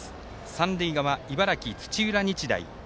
三塁側、茨城、土浦日大。